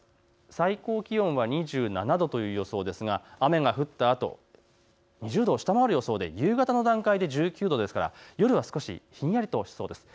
最高気温は２７度という予想で雨が降ったあと２０度を下回る予想で夕方の段階で１９度ですから夜は少しひんやりとしそうです。